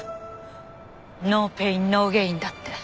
ノーペインノーゲインだって。